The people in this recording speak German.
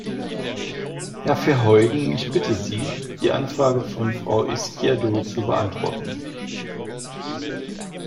Herr Verheugen, ich bitte Sie, die Anfrage von Frau Izquierdo zu beantworten.